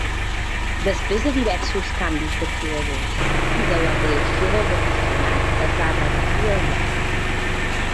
Després de diversos canvis de creadors i de la reacció dels aficionats, es va revertir aviat.